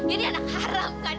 ini anak haram kan